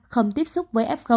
không tiếp xúc với f